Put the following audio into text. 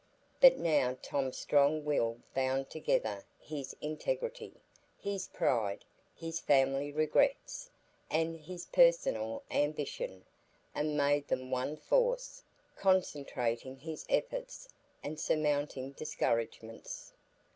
But now Tom's strong will bound together his integrity, his pride, his family regrets, and his personal ambition, and made them one force, concentrating his efforts and surmounting discouragements.